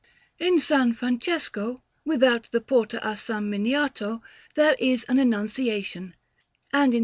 In S. Francesco, without the Porta a S. Miniato, there is an Annunciation; and in S.